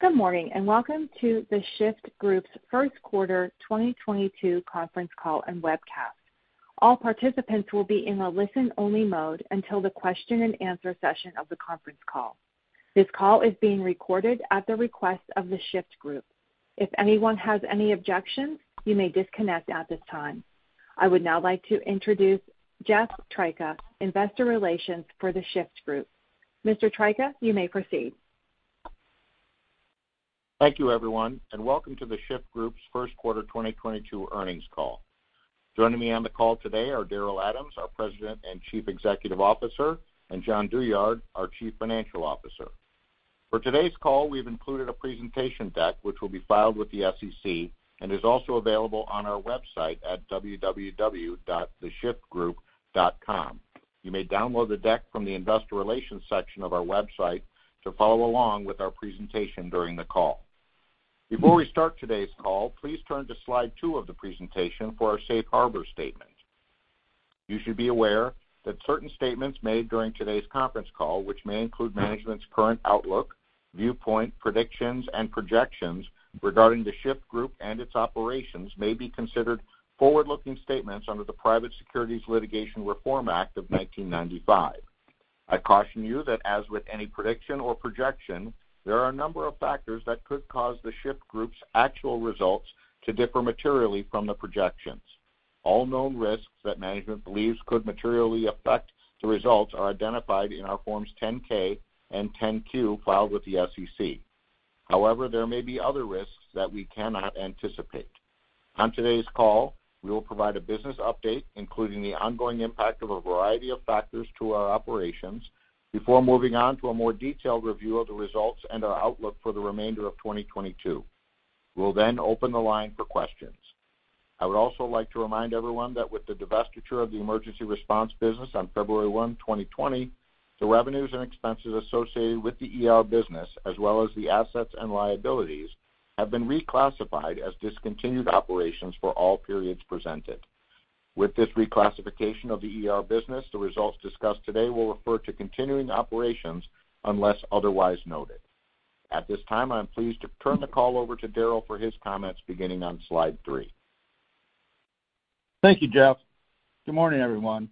Good morning, and welcome to The Shyft Group's first quarter 2022 conference call and webcast. All participants will be in a listen-only mode until the question-and-answer session of the conference call. This call is being recorded at the request of The Shyft Group. If anyone has any objections, you may disconnect at this time. I would now like to introduce Jeff Tryka, Investor Relations for The Shyft Group. Mr. Tryka, you may proceed. Thank you, everyone, and welcome to The Shyft Group's first quarter 2022 earnings call. Joining me on the call today are Daryl Adams, our President and Chief Executive Officer, and Jon Douyard, our Chief Financial Officer. For today's call, we've included a presentation deck which will be filed with the SEC and is also available on our website at www.theshyftgroup.com. You may download the deck from the investor relations section of our website to follow along with our presentation during the call. Before we start today's call, please turn to slide two of the presentation for our safe harbor statement. You should be aware that certain statements made during today's conference call, which may include management's current outlook, viewpoint, predictions, and projections regarding The Shyft Group and its operations may be considered forward-looking statements under the Private Securities Litigation Reform Act of 1995. I caution you that, as with any prediction or projection, there are a number of factors that could cause The Shyft Group's actual results to differ materially from the projections. All known risks that management believes could materially affect the results are identified in our forms 10-K and 10-Q filed with the SEC. However, there may be other risks that we cannot anticipate. On today's call, we will provide a business update, including the ongoing impact of a variety of factors to our operations before moving on to a more detailed review of the results and our outlook for the remainder of 2022. We'll then open the line for questions. I would also like to remind everyone that with the divestiture of the emergency response business on February 1, 2020, the revenues and expenses associated with the ER business as well as the assets and liabilities have been reclassified as discontinued operations for all periods presented. With this reclassification of the ER business, the results discussed today will refer to continuing operations unless otherwise noted. At this time, I am pleased to turn the call over to Daryl for his comments beginning on slide three. Thank you, Jeff. Good morning, everyone,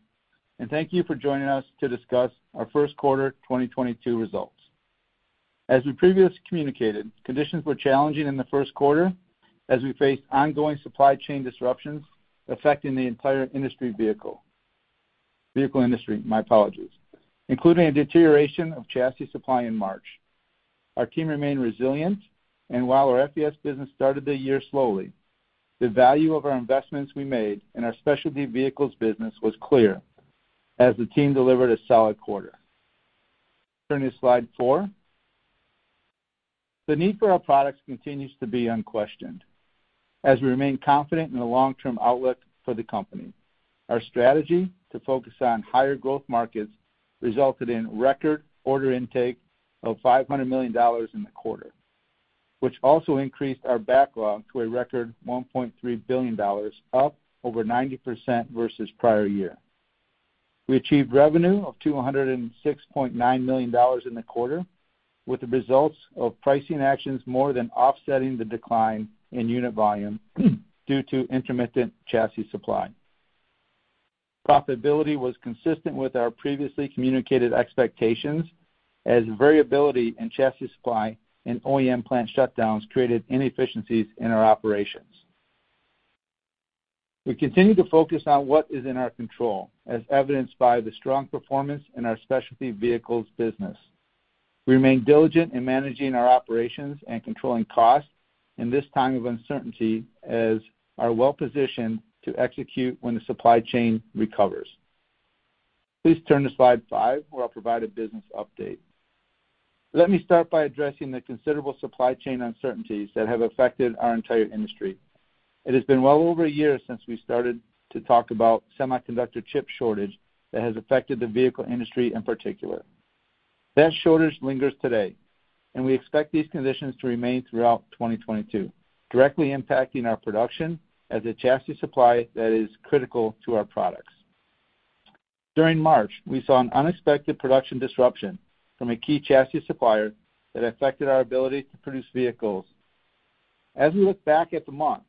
and thank you for joining us to discuss our first quarter 2022 results. As we previously communicated, conditions were challenging in the first quarter as we faced ongoing supply chain disruptions affecting the entire vehicle industry, my apologies, including a deterioration of chassis supply in March. Our team remained resilient, and while our FVS business started the year slowly, the value of our investments we made in our specialty vehicles business was clear as the team delivered a solid quarter. Turning to slide four. The need for our products continues to be unquestioned as we remain confident in the long-term outlook for the company. Our strategy to focus on higher growth markets resulted in record order intake of $500 million in the quarter, which also increased our backlog to a record $1.3 billion, up over 90% versus prior year. We achieved revenue of $206.9 million in the quarter, with the results of pricing actions more than offsetting the decline in unit volume due to intermittent chassis supply. Profitability was consistent with our previously communicated expectations as variability in chassis supply and OEM plant shutdowns created inefficiencies in our operations. We continue to focus on what is in our control, as evidenced by the strong performance in our specialty vehicles business. We remain diligent in managing our operations and controlling costs in this time of uncertainty, as we are well-positioned to execute when the supply chain recovers. Please turn to slide five, where I'll provide a business update. Let me start by addressing the considerable supply chain uncertainties that have affected our entire industry. It has been well over a year since we started to talk about semiconductor chip shortage that has affected the vehicle industry in particular. That shortage lingers today, and we expect these conditions to remain throughout 2022, directly impacting our production as a chassis supply that is critical to our products. During March, we saw an unexpected production disruption from a key chassis supplier that affected our ability to produce vehicles. As we look back at the month,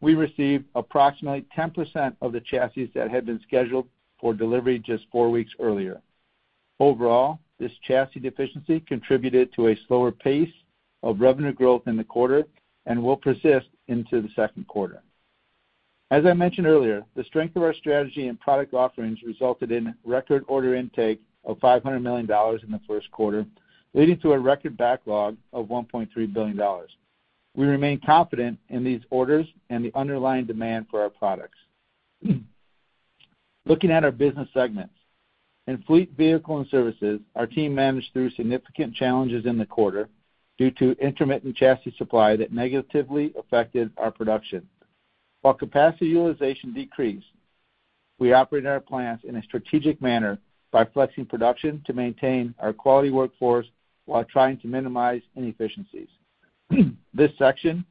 we received approximately 10% of the chassis that had been scheduled for delivery just four weeks earlier. Overall, this chassis deficiency contributed to a slower pace of revenue growth in the quarter and will persist into the second quarter. As I mentioned earlier, the strength of our strategy and product offerings resulted in record order intake of $500 million in the first quarter, leading to a record backlog of $1.3 billion. We remain confident in these orders and the underlying demand for our products. Looking at our business segments. In Fleet Vehicles and Services, our team managed through significant challenges in the quarter due to intermittent chassis supply that negatively affected our production. While capacity utilization decreased, we operated our plants in a strategic manner by flexing production to maintain our quality workforce while trying to minimize inefficiencies. This decision,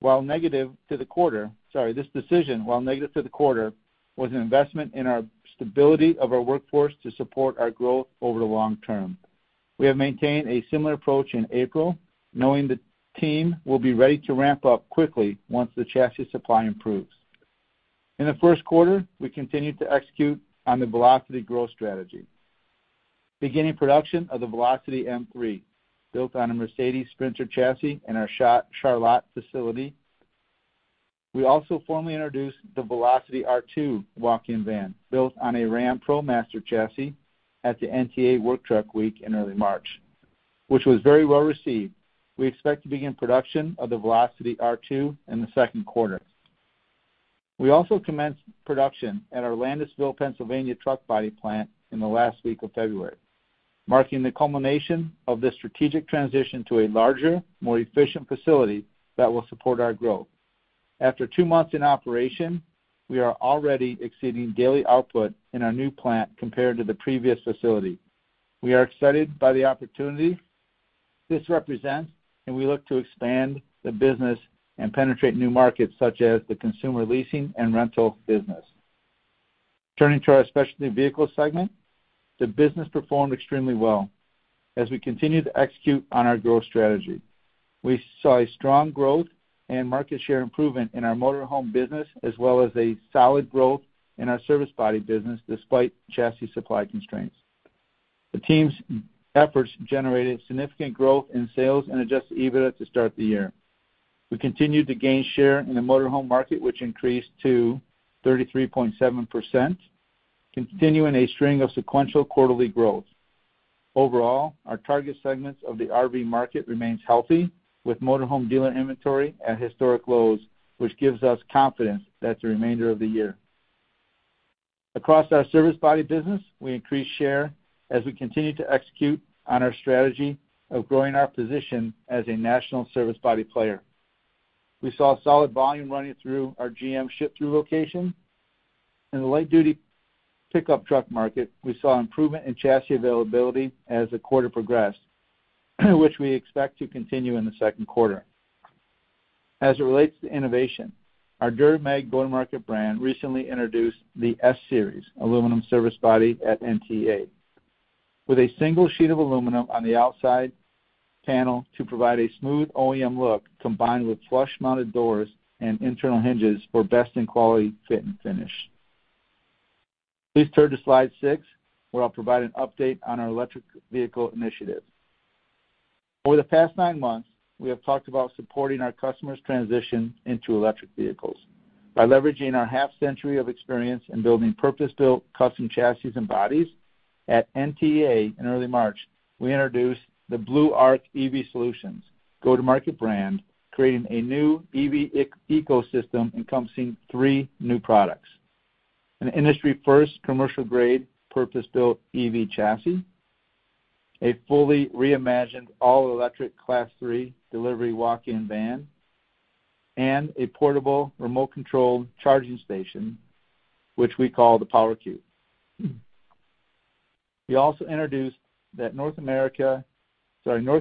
while negative to the quarter, was an investment in the stability of our workforce to support our growth over the long-term. We have maintained a similar approach in April, knowing the team will be ready to ramp up quickly once the chassis supply improves. In the first quarter, we continued to execute on the Velocity growth strategy, beginning production of the Velocity M3, built on a Mercedes Sprinter chassis in our Charlotte facility. We also formally introduced the Velocity R2 walk-in van, built on a Ram ProMaster chassis at the NTEA Work Truck Week in early March, which was very well received. We expect to begin production of the Velocity R2 in the second quarter. We also commenced production at our Landisville, Pennsylvania truck body plant in the last week of February, marking the culmination of the strategic transition to a larger, more efficient facility that will support our growth. After two months in operation, we are already exceeding daily output in our new plant compared to the previous facility. We are excited by the opportunity this represents, and we look to expand the business and penetrate new markets such as the consumer leasing and rental business. Turning to our specialty vehicles segment, the business performed extremely well as we continue to execute on our growth strategy. We saw a strong growth and market share improvement in our motor home business, as well as a solid growth in our service body business despite chassis supply constraints. The team's efforts generated significant growth in sales and adjusted EBITDA to start the year. We continued to gain share in the motor home market, which increased to 33.7%, continuing a string of sequential quarterly growth. Overall, our target segments of the RV market remains healthy, with motor home dealer inventory at historic lows, which gives us confidence that the remainder of the year. Across our service body business, we increased share as we continue to execute on our strategy of growing our position as a national service body player. We saw solid volume running through our GM Ship Through location. In the light-duty pickup truck market, we saw improvement in chassis availability as the quarter progressed, which we expect to continue in the second quarter. As it relates to innovation, our DuraMag go-to-market brand recently introduced the S-Series aluminum service body at NTEA. With a single sheet of aluminum on the outside panel to provide a smooth OEM look combined with flush-mounted doors and internal hinges for best-in-quality fit and finish. Please turn to slide six, where I'll provide an update on our electric vehicle initiative. Over the past nine months, we have talked about supporting our customers' transition into electric vehicles by leveraging our half-century of experience in building purpose-built custom chassis and bodies. At NTEA in early March, we introduced the Blue Arc EV Solutions go-to-market brand, creating a new EV ecosystem encompassing three new products. An industry-first commercial-grade purpose-built EV chassis, a fully reimagined all-electric Class III delivery walk-in van, and a portable remote-controlled charging station which we call the Power Cube. We also introduced that North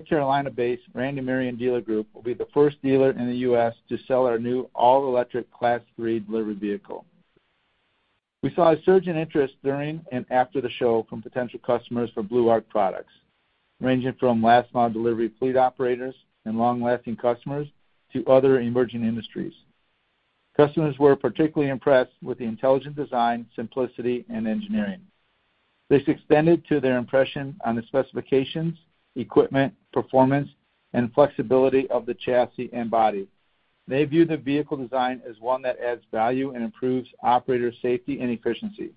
Carolina-based Randy Marion Dealer Group will be the first dealer in the U.S. to sell our new all-electric Class III delivery vehicle. We saw a surge in interest during and after the show from potential customers for Blue Arc products, ranging from last-mile delivery fleet operators and long-haul customers to other emerging industries. Customers were particularly impressed with the intelligent design, simplicity, and engineering. This extended to their impression on the specifications, equipment, performance, and flexibility of the chassis and body. They view the vehicle design as one that adds value and improves operator safety and efficiency.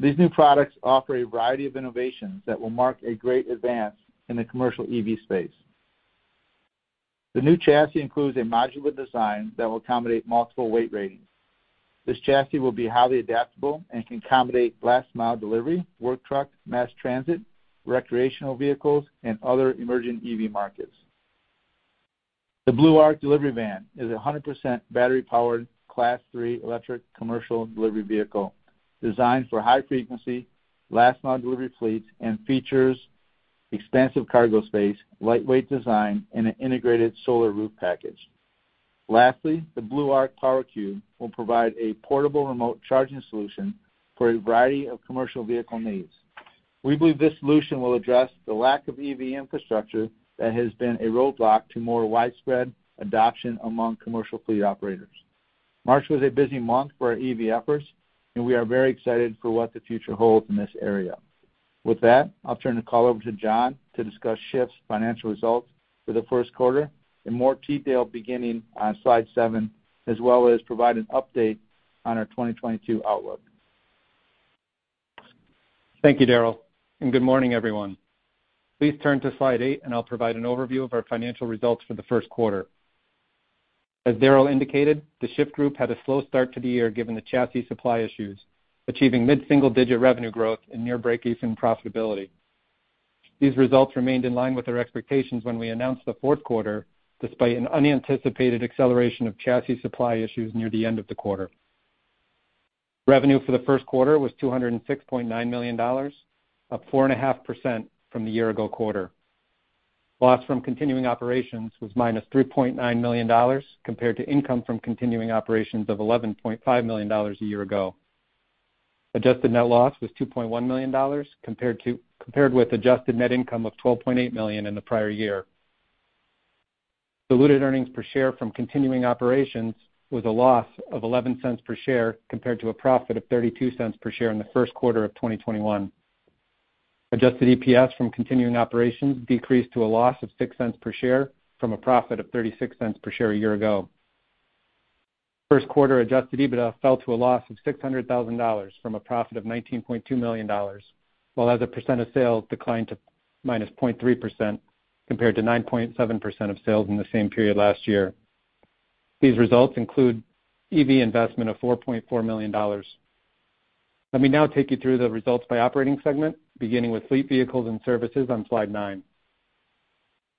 These new products offer a variety of innovations that will mark a great advance in the commercial EV space. The new chassis includes a modular design that will accommodate multiple weight ratings. This chassis will be highly adaptable and can accommodate last-mile delivery, work truck, mass transit, recreational vehicles, and other emerging EV markets. The Blue Arc delivery van is 100% battery-powered Class 3 electric commercial delivery vehicle designed for high-frequency last-mile delivery fleets and features expansive cargo space, lightweight design, and an integrated solar roof package. Lastly, the Blue Arc Power Cube will provide a portable remote charging solution for a variety of commercial vehicle needs. We believe this solution will address the lack of EV infrastructure that has been a roadblock to more widespread adoption among commercial fleet operators. March was a busy month for our EV efforts, and we are very excited for what the future holds in this area. With that, I'll turn the call over to Jon Douyard to discuss Shyft's financial results for the first quarter in more detail beginning on slide seven, as well as provide an update on our 2022 outlook. Thank you, Daryl, and good morning, everyone. Please turn to slide eight, and I'll provide an overview of our financial results for the first quarter. As Daryl indicated, The Shyft Group had a slow start to the year given the chassis supply issues, achieving mid-single-digit revenue growth and near break-even profitability. These results remained in line with our expectations when we announced the fourth quarter despite an unanticipated acceleration of chassis supply issues near the end of the quarter. Revenue for the first quarter was $206.9 million, up 4.5% from the year-ago quarter. Loss from continuing operations was -$3.9 million compared to income from continuing operations of $11.5 million a year ago. Adjusted net loss was $2.1 million compared with adjusted net income of $12.8 million in the prior year. Diluted earnings per share from continuing operations was a loss of $0.11 per share compared to a profit of $0.32 per share in the first quarter of 2021. Adjusted EPS from continuing operations decreased to a loss of $0.06 per share from a profit of $0.36 per share a year ago. First quarter adjusted EBITDA fell to a loss of $600,000 from a profit of $19.2 million, while as a percent of sales declined to -0.3% compared to 9.7% of sales in the same period last year. These results include EV investment of $4.4 million. Let me now take you through the results by operating segment, beginning with Fleet Vehicles and Services on slide nine.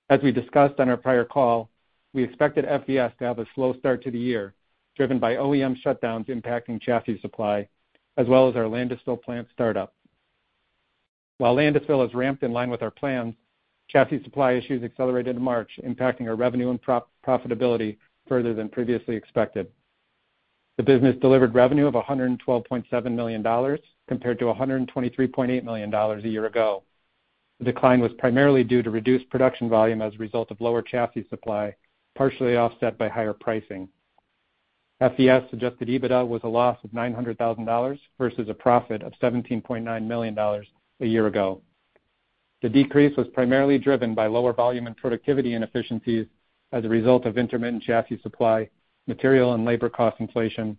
As we discussed on our prior call, we expected FVS to have a slow start to the year, driven by OEM shutdowns impacting chassis supply, as well as our Landisville plant startup. While Landisville is ramped in line with our plan, chassis supply issues accelerated in March, impacting our revenue and profitability further than previously expected. The business delivered revenue of $112.7 million compared to $123.8 million a year ago. The decline was primarily due to reduced production volume as a result of lower chassis supply, partially offset by higher pricing. FVS adjusted EBITDA was a loss of $900,000 versus a profit of $17.9 million a year ago. The decrease was primarily driven by lower volume and productivity inefficiencies as a result of intermittent chassis supply, material and labor cost inflation,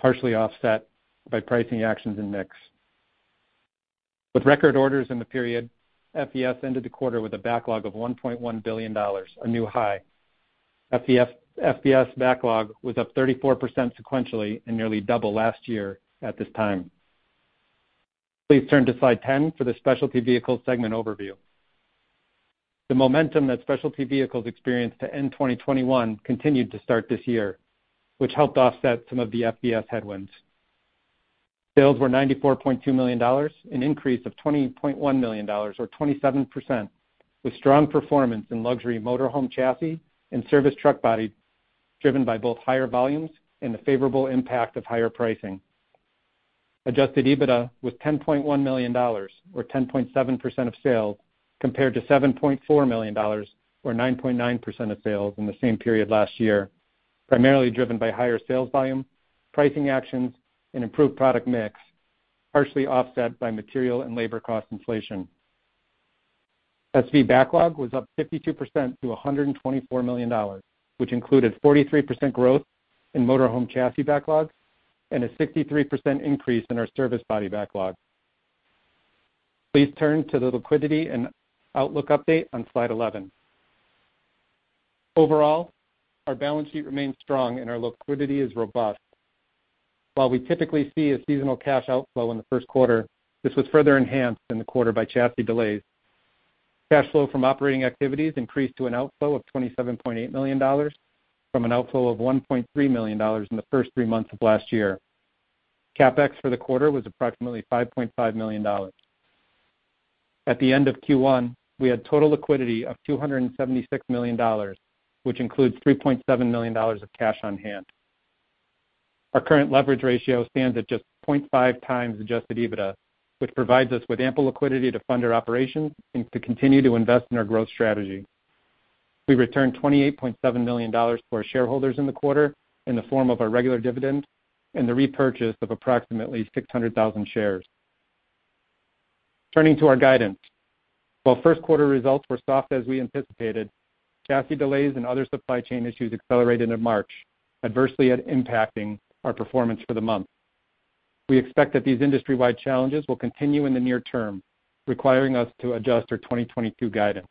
partially offset by pricing actions and mix. With record orders in the period, FVS ended the quarter with a backlog of $1.1 billion, a new high. FVS backlog was up 34% sequentially and nearly double last year at this time. Please turn to slide 10 for the specialty vehicles segment overview. The momentum that specialty vehicles experienced to end 2021 continued to start this year, which helped offset some of the FVS headwinds. Sales were $94.2 million, an increase of $20.1 million or 27%, with strong performance in luxury motor home chassis and service truck body, driven by both higher volumes and the favorable impact of higher pricing. Adjusted EBITDA was $10.1 million or 10.7% of sales, compared to $7.4 million or 9.9% of sales in the same period last year, primarily driven by higher sales volume, pricing actions and improved product mix, partially offset by material and labor cost inflation. SV backlog was up 52% to $124 million, which included 43% growth in motor home chassis backlogs and a 63% increase in our service body backlog. Please turn to the liquidity and outlook update on slide 11. Overall, our balance sheet remains strong and our liquidity is robust. While we typically see a seasonal cash outflow in the first quarter, this was further enhanced in the quarter by chassis delays. Cash flow from operating activities increased to an outflow of $27.8 million from an outflow of $1.3 million in the first three months of last year. CapEx for the quarter was approximately $5.5 million. At the end of Q1, we had total liquidity of $276 million, which includes $3.7 million of cash on hand. Our current leverage ratio stands at just 0.5x adjusted EBITDA, which provides us with ample liquidity to fund our operations and to continue to invest in our growth strategy. We returned $28.7 million to our shareholders in the quarter in the form of our regular dividend and the repurchase of approximately 600,000 shares. Turning to our guidance. While first quarter results were soft as we anticipated, chassis delays and other supply chain issues accelerated in March, adversely impacting our performance for the month. We expect that these industry-wide challenges will continue in the near term, requiring us to adjust our 2022 guidance.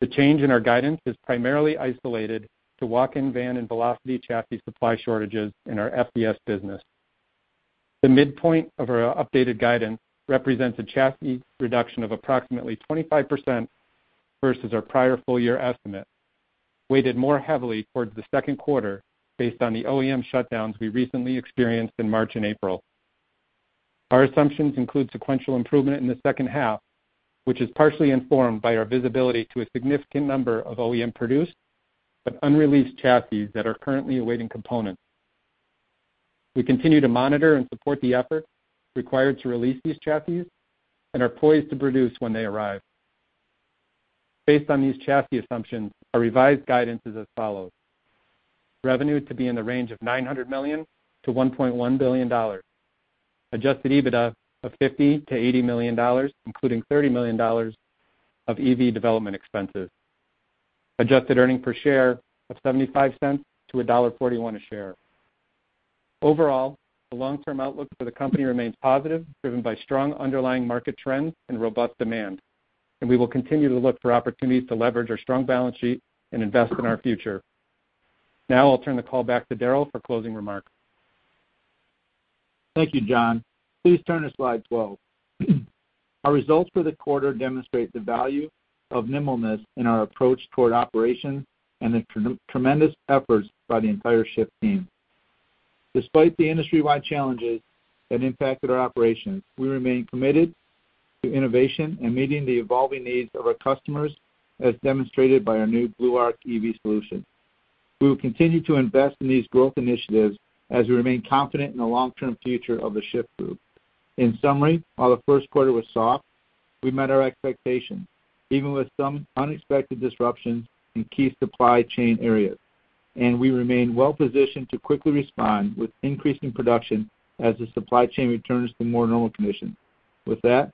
The change in our guidance is primarily isolated to walk-in van and Velocity chassis supply shortages in our FVS business. The midpoint of our updated guidance represents a chassis reduction of approximately 25% versus our prior full year estimate, weighted more heavily towards the second quarter based on the OEM shutdowns we recently experienced in March and April. Our assumptions include sequential improvement in the second half, which is partially informed by our visibility to a significant number of OEM produced but unreleased chassis that are currently awaiting components. We continue to monitor and support the effort required to release these chassis and are poised to produce when they arrive. Based on these chassis assumptions, our revised guidance is as follows. Revenue to be in the range of $900 million-$1.1 billion. Adjusted EBITDA of $50 million-$80 million, including $30 million of EV development expenses. Adjusted earnings per share of $0.75-$1.41 a share. Overall, the long-term outlook for the company remains positive, driven by strong underlying market trends and robust demand, and we will continue to look for opportunities to leverage our strong balance sheet and invest in our future. Now I'll turn the call back to Daryl for closing remarks. Thank you, Jon. Please turn to slide 12. Our results for the quarter demonstrate the value of nimbleness in our approach toward operation and the tremendous efforts by the entire Shyft team. Despite the industry-wide challenges that impacted our operations, we remain committed to innovation and meeting the evolving needs of our customers, as demonstrated by our new Blue Arc EV solution. We will continue to invest in these growth initiatives as we remain confident in the long-term future of the Shyft Group. In summary, while the first quarter was soft, we met our expectations, even with some unexpected disruptions in key supply chain areas. We remain well positioned to quickly respond with increasing production as the supply chain returns to more normal conditions. With that,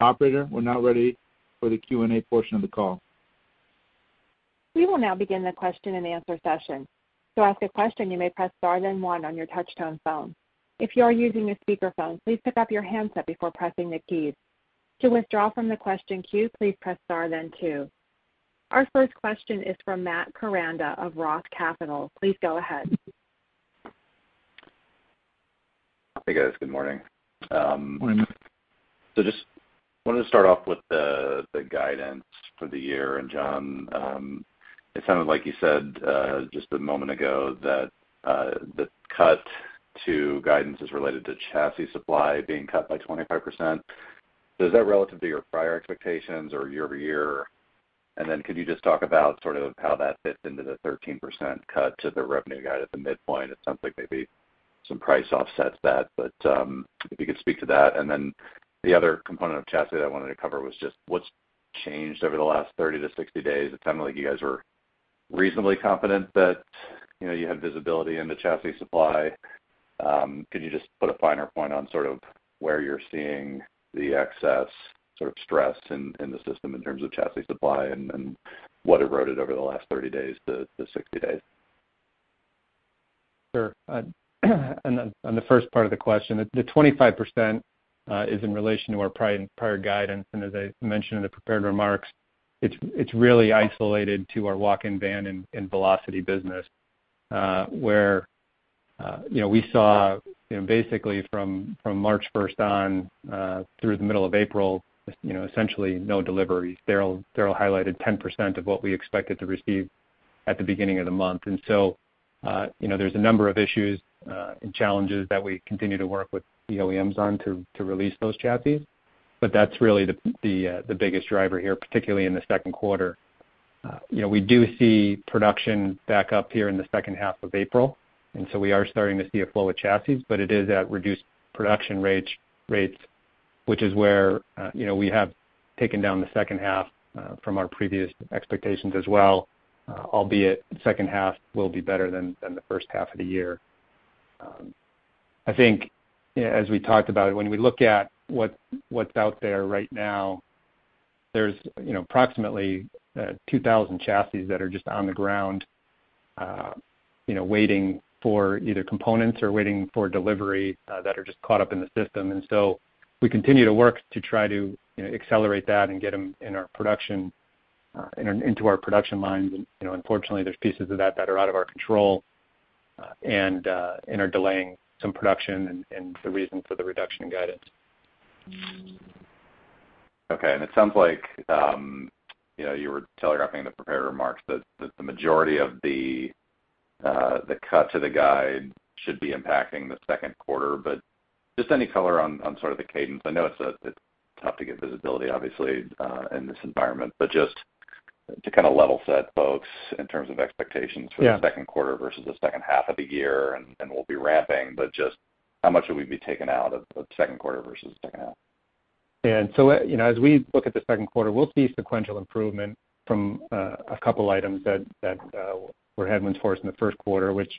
operator, we're now ready for the Q&A portion of the call. We will now begin the question-and-answer session. To ask a question, you may press star then one on your touch-tone phone. If you are using a speakerphone, please pick up your handset before pressing the keys. To withdraw from the question queue, please press star then two. Our first question is from Matt Koranda of ROTH Capital Partners. Please go ahead. Hey, guys. Good morning. Morning. Just wanted to start off with the guidance for the year. Jon, it sounded like you said just a moment ago that the cut to guidance is related to chassis supply being cut by 25%. Is that relative to your prior expectations or year-over-year? Then could you just talk about sort of how that fits into the 13% cut to the revenue guide at the midpoint? It sounds like maybe some price offsets that. If you could speak to that. Then the other component of chassis that I wanted to cover was just what's changed over the last 30-60 days. It sounded like you guys were reasonably confident that, you know, you had visibility into chassis supply. Could you just put a finer point on sort of where you're seeing the excess sort of stress in the system in terms of chassis supply and what eroded over the last 30 days to the 60 days? Sure. On the first part of the question, the 25% is in relation to our prior guidance. As I mentioned in the prepared remarks, it's really isolated to our walk-in van and Velocity business, where you know, we saw you know, basically from March first on through the middle of April, you know, essentially no deliveries. Daryl highlighted 10% of what we expected to receive at the beginning of the month. You know, there's a number of issues and challenges that we continue to work with the OEMs on to release those chassis. That's really the biggest driver here, particularly in the second quarter. You know, we do see production back up here in the second half of April, and so we are starting to see a flow of chassis, but it is at reduced production rates, which is where you know, we have taken down the second half from our previous expectations as well, albeit second half will be better than the first half of the year. I think as we talked about, when we look at what's out there right now, there's you know, approximately 2,000 chassis that are just on the ground, you know, waiting for either components or waiting for delivery, that are just caught up in the system. We continue to work to try to you know, accelerate that and get them into our production lines. You know, unfortunately, there's pieces of that that are out of our control, and are delaying some production and the reason for the reduction in guidance. Okay. It sounds like, you know, you were telegraphing the prepared remarks that the majority of the cut to the guide should be impacting the second quarter. Just any color on sort of the cadence. I know it's tough to get visibility obviously in this environment, but just to kind of level set folks in terms of expectations. Yeah for the second quarter versus the second half of the year, and we'll be ramping. Just how much will we be taking out of the second quarter versus the second half? You know, as we look at the second quarter, we'll see sequential improvement from a couple items that were headwinds for us in the first quarter, which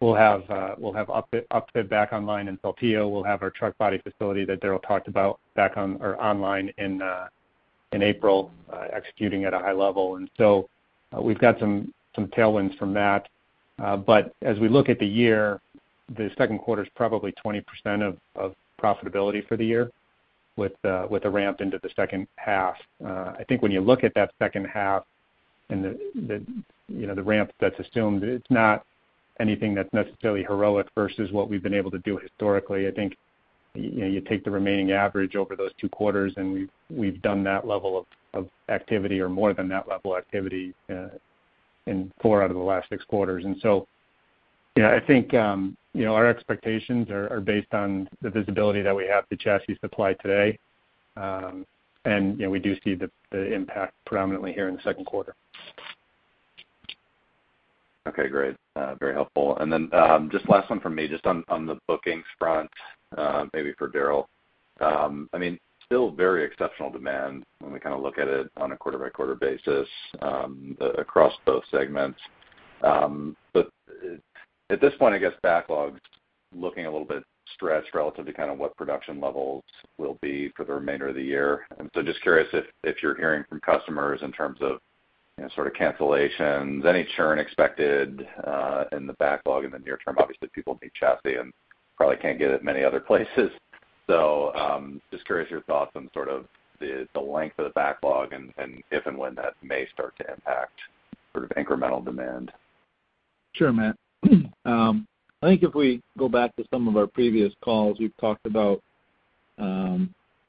we'll have upfit back online in Saltillo. We'll have our truck body facility that Daryl talked about back online in April, executing at a high level. We've got some tailwinds from that. As we look at the year, the second quarter is probably 20% of profitability for the year with the ramp into the second half. I think when you look at that second half and the you know, the ramp that's assumed, it's not anything that's necessarily heroic versus what we've been able to do historically. I think, you know, you take the remaining average over those two quarters, and we've done that level of activity or more than that level of activity in four out of the last six quarters. You know, I think you know, our expectations are based on the visibility that we have to chassis supply today. You know, we do see the impact predominantly here in the second quarter. Okay, great. Very helpful. Just last one from me, just on the bookings front, maybe for Daryl. I mean, still very exceptional demand when we kind of look at it on a quarter-by-quarter basis, across both segments. At this point, I guess backlog's looking a little bit stretched relative to kind of what production levels will be for the remainder of the year. Just curious if you're hearing from customers in terms of, you know, sort of cancellations, any churn expected, in the backlog in the near term. Obviously, people need chassis and probably can't get it many other places. Just curious your thoughts on sort of the length of the backlog and if and when that may start to impact sort of incremental demand. Sure, Matt. I think if we go back to some of our previous calls, we've talked about,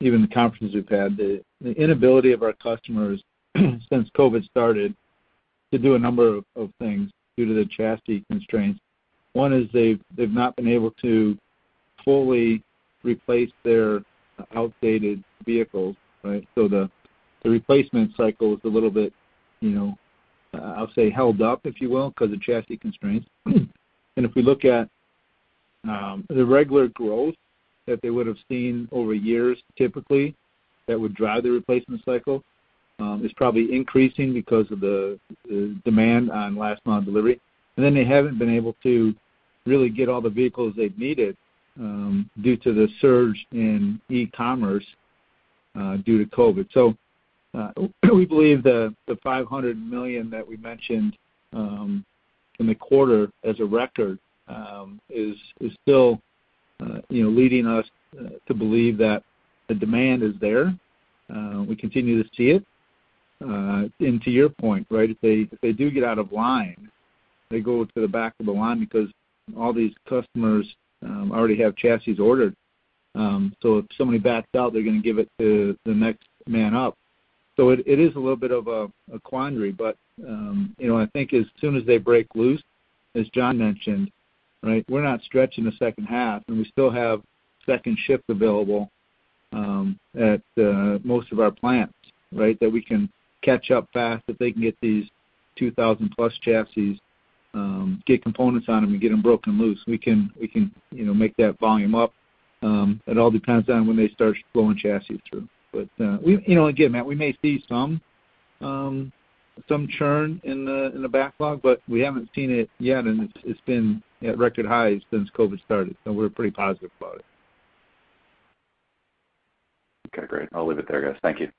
even the conferences we've had, the inability of our customers, since COVID started to do a number of things due to the chassis constraints. One is they've not been able to fully replace their outdated vehicles, right? The replacement cycle is a little bit, you know, I'll say held up, if you will, 'cause of chassis constraints. If we look at the regular growth that they would've seen over years, typically that would drive the replacement cycle, is probably increasing because of the demand on last mile delivery. Then they haven't been able to really get all the vehicles they've needed, due to the surge in e-commerce, due to COVID. We believe the $500 million that we mentioned in the quarter as a record is still you know leading us to believe that the demand is there. We continue to see it. To your point, right, if they do get out of line, they go to the back of the line because all these customers already have chassis ordered. If somebody backs out, they're gonna give it to the next man up. It is a little bit of a quandary, but you know I think as soon as they break loose, as Jon mentioned, right, we're not stretching the second half, and we still have second shifts available at most of our plants, right? That we can catch up fast if they can get these 2,000 plus chassis, get components on them and get them broken loose. We can, you know, make that volume up. It all depends on when they start flowing chassis through. You know, again, Matt, we may see some churn in the backlog, but we haven't seen it yet. It's been at record highs since COVID started, so we're pretty positive about it. Okay, great. I'll leave it there, guys. Thank you.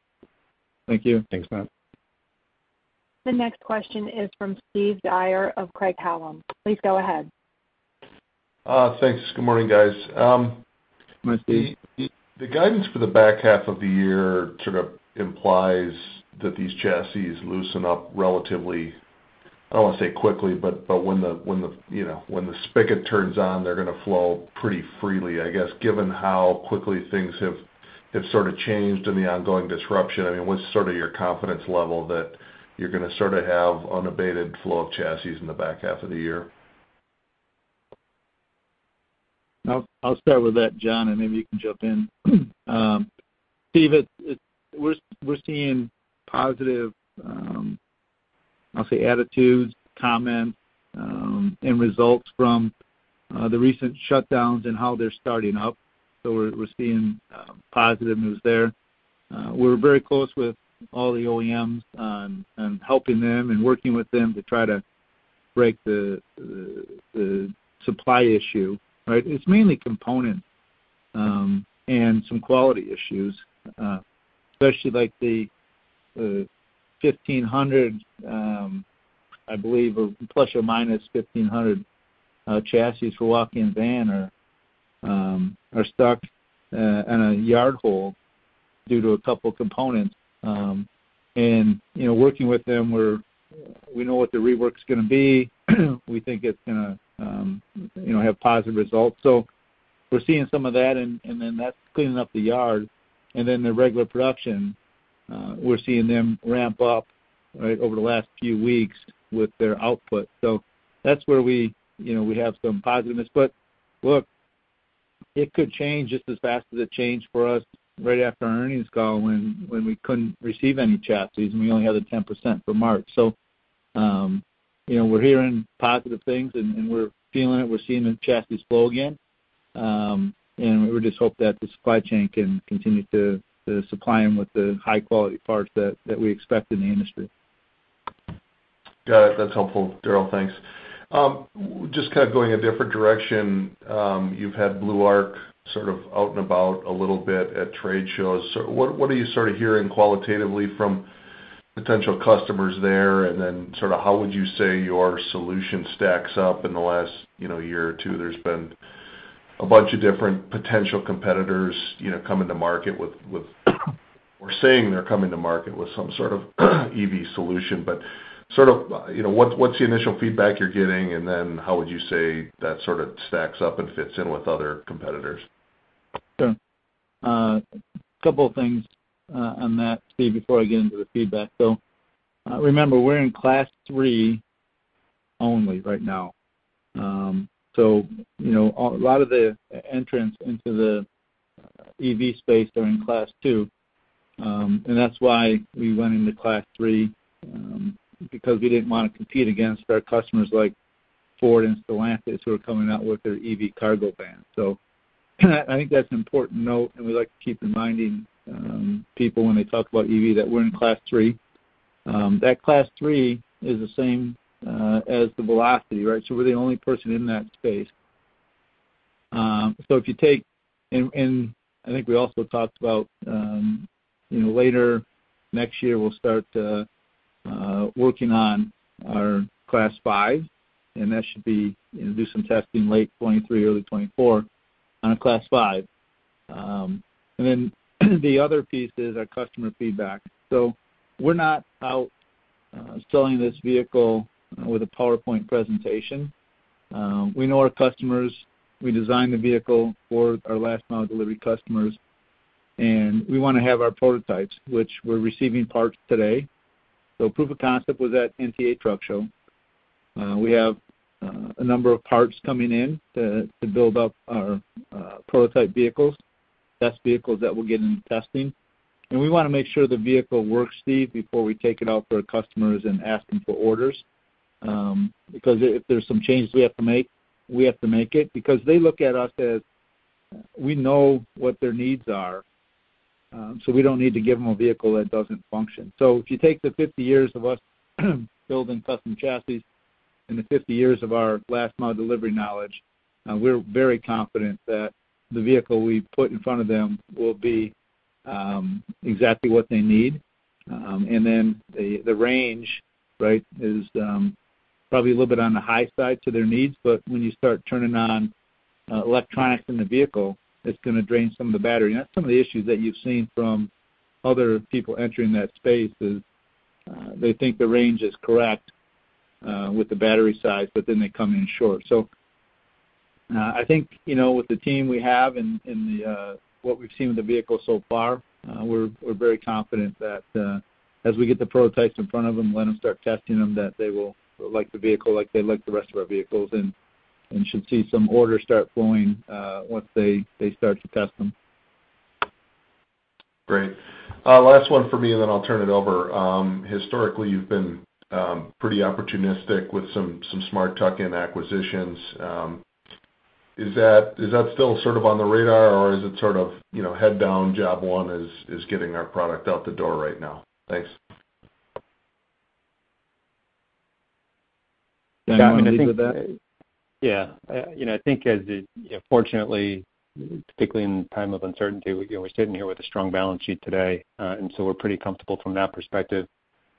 Thank you. Thanks, Matt. The next question is from Steve Dyer of Craig-Hallum. Please go ahead. Thanks. Good morning, guys. Morning, Steve. The guidance for the back half of the year sort of implies that these chassis loosen up relatively. I don't wanna say quickly, but when the you know, when the spigot turns on, they're gonna flow pretty freely. I guess, given how quickly things have sort of changed in the ongoing disruption, I mean, what's sort of your confidence level that you're gonna sort of have unabated flow of chassis in the back half of the year? I'll start with that, Jon, and maybe you can jump in. Steve, we're seeing positive, I'll say attitudes, comments, and results from the recent shutdowns and how they're starting up. We're seeing positive news there. We're very close with all the OEMs on helping them and working with them to try to break the supply issue, right? It's mainly components and some quality issues. Especially like the 1,500, I believe, or plus or minus 1,500, chassis for walk-in van are stuck in a yard hold due to a couple components. And you know, working with them, we know what the rework's gonna be. We think it's gonna, you know, have positive results. We're seeing some of that, and then that's cleaning up the yard. Then the regular production, we're seeing them ramp up, right, over the last few weeks with their output. That's where we, you know, we have some positiveness. Look, it could change just as fast as it changed for us right after our earnings call when we couldn't receive any chassis, and we only had the 10% for March. You know, we're hearing positive things and we're feeling it. We're seeing the chassis flow again. We just hope that the supply chain can continue to supply them with the high-quality parts that we expect in the industry. Got it. That's helpful, Daryl. Thanks. Just kind of going a different direction. You've had Blue Arc sort of out and about a little bit at trade shows. What are you sort of hearing qualitatively from potential customers there? And then sort of how would you say your solution stacks up in the last, you know, year or two? There's been a bunch of different potential competitors, you know, coming to market with or saying they're coming to market with some sort of EV solution. Sort of, you know, what's the initial feedback you're getting, and then how would you say that sort of stacks up and fits in with other competitors? Sure. Couple of things, on that, Steve, before I get into the feedback. Remember, we're in Class 3 only right now. You know, a lot of the entrance into the EV space are in Class 2. And that's why we went into Class 3, because we didn't wanna compete against our customers like Ford and Stellantis who are coming out with their EV cargo vans. I think that's an important note, and we like to keep reminding, people when they talk about EV, that we're in Class 3. That Class 3 is the same, as the Velocity, right? We're the only person in that space. If you take. I think we also talked about, you know, later next year we'll start working on our Class 5, and that should be, you know, do some testing late 2023, early 2024 on a Class 5. Then the other piece is our customer feedback. We're not out selling this vehicle with a PowerPoint presentation. We know our customers. We designed the vehicle for our last mile delivery customers, and we wanna have our prototypes, which we're receiving parts today. Proof of concept was at NTEA Truck Show. We have a number of parts coming in to build up our prototype vehicles. That's vehicles that we're getting testing. We wanna make sure the vehicle works, Steve, before we take it out to our customers and ask them for orders. Because if there's some changes we have to make, we have to make it because they look at us as we know what their needs are. We don't need to give them a vehicle that doesn't function. If you take the 50 years of us building custom chassis and the 50 years of our last mile delivery knowledge, we're very confident that the vehicle we put in front of them will be exactly what they need. Then the range, right, is probably a little bit on the high side to their needs, but when you start turning on electronics in the vehicle, it's gonna drain some of the battery. That's some of the issues that you've seen from other people entering that space is, they think the range is correct with the battery size, but then they come in short. I think, you know, with the team we have and the what we've seen with the vehicle so far, we're very confident that as we get the prototypes in front of them, let them start testing them, that they will like the vehicle like they like the rest of our vehicles and should see some orders start flowing once they start to test them. Great. Last one for me, I'll turn it over. Historically, you've been pretty opportunistic with some smart tuck-in acquisitions. Is that still sort of on the radar, or is it sort of, you know, head down, job one is getting our product out the door right now? Thanks. Jon Douyard, you wanna lead with that? Yeah. You know, I think fortunately, particularly in time of uncertainty, you know, we're sitting here with a strong balance sheet today, and so we're pretty comfortable from that perspective.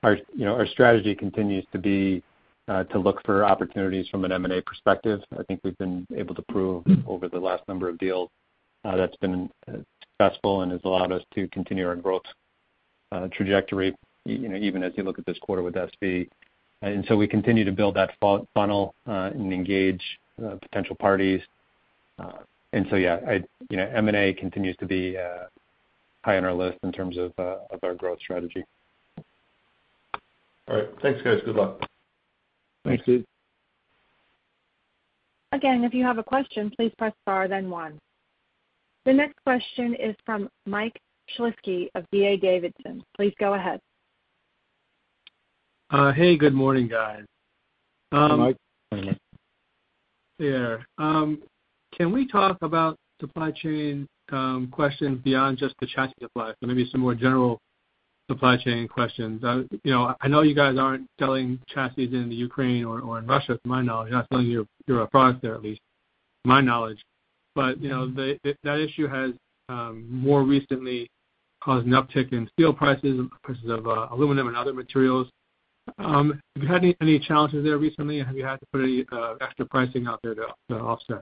Our, you know, our strategy continues to be, to look for opportunities from an M&A perspective. I think we've been able to prove over the last number of deals, that's been successful and has allowed us to continue our growth, trajectory, you know, even as you look at this quarter with SV. We continue to build that funnel, and engage potential parties. Yeah, you know, M&A continues to be high on our list in terms of our growth strategy. All right. Thanks, guys. Good luck. Thanks, Steve. Again, if you have a question, please press star then one. The next question is from Mike Shlisky of D.A. Davidson. Please go ahead. Hey, good morning, guys. Mike. Yeah. Can we talk about supply chain questions beyond just the chassis supply? Maybe some more general supply chain questions. You know, I know you guys aren't selling chassis in the Ukraine or in Russia to my knowledge. You're not selling your product there at least, my knowledge. You know, that issue has more recently caused an uptick in steel prices and prices of aluminum and other materials. Have you had any challenges there recently? Have you had to put any extra pricing out there to offset?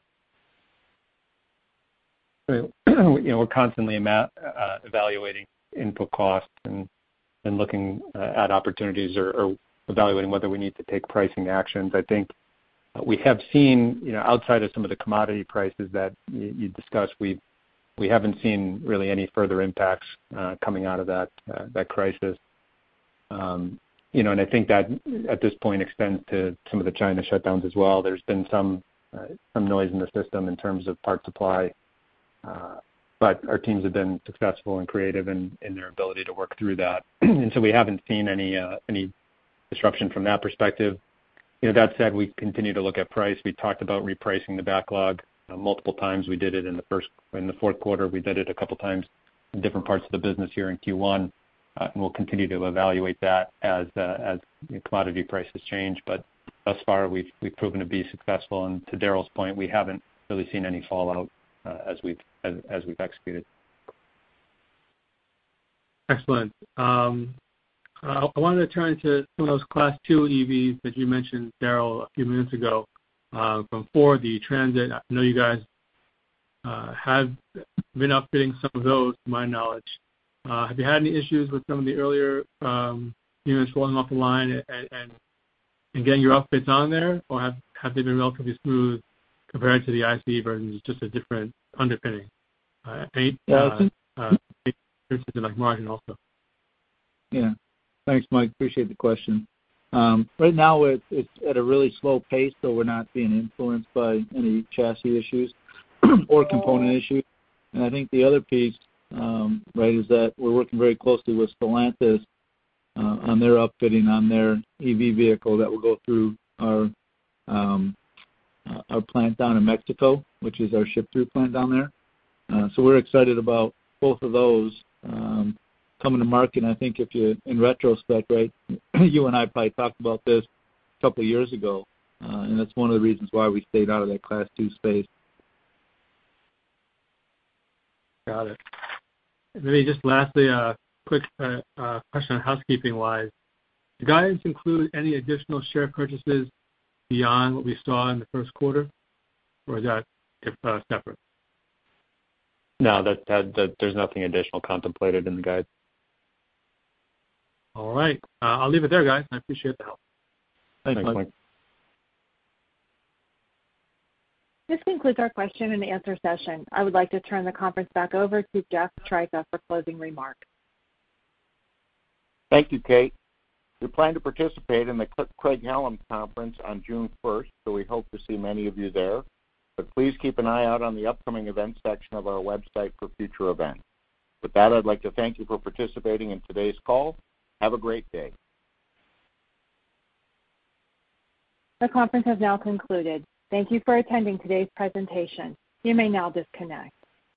You know, we're constantly evaluating input costs and looking at opportunities or evaluating whether we need to take pricing actions. I think we have seen, you know, outside of some of the commodity prices that you discussed, we haven't seen really any further impacts coming out of that crisis. You know, I think that at this point extends to some of the China shutdowns as well. There's been some noise in the system in terms of part supply, but our teams have been successful and creative in their ability to work through that. We haven't seen any disruption from that perspective. You know, that said, we continue to look at price. We talked about repricing the backlog, you know, multiple times. We did it in the fourth quarter. We did it a couple times in different parts of the business here in Q1. We'll continue to evaluate that as commodity prices change. Thus far, we've proven to be successful. To Daryl's point, we haven't really seen any fallout as we've executed. Excellent. I wanted to turn to some of those Class 2 EVs that you mentioned, Daryl, a few minutes ago, from Ford, the Transit. I know you guys have been upfitting some of those, to my knowledge. Have you had any issues with some of the earlier units rolling off the line and getting your upfits on there? Or have they been relatively smooth compared to the ICE versions, just a different underpinning? Yeah. Any Interesting, like margin also. Yeah. Thanks, Mike. Appreciate the question. Right now it's at a really slow pace, so we're not being influenced by any chassis issues or component issues. I think the other piece, right, is that we're working very closely with Stellantis on their upfitting on their EV vehicle that will go through our plant down in Mexico, which is our ship-through plant down there. We're excited about both of those coming to market. I think in retrospect, right, you and I probably talked about this a couple years ago, and that's one of the reasons why we stayed out of that Class 2 space. Got it. Maybe just lastly, a quick question housekeeping-wise. Do guys include any additional share purchases beyond what we saw in the first quarter, or is that separate? No. That, there's nothing additional contemplated in the guide. All right. I'll leave it there, guys. I appreciate the help. Thanks, Mike. Thanks, Mike. This concludes our question and answer session. I would like to turn the conference back over to Jeff Tryka for closing remarks. Thank you, Kate. We plan to participate in the Craig-Hallum conference on June first, so we hope to see many of you there. Please keep an eye out on the upcoming event section of our website for future events. With that, I'd like to thank you for participating in today's call. Have a great day. The conference has now concluded. Thank you for attending today's presentation. You may now disconnect.